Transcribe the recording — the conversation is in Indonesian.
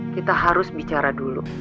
kita harus bicara dulu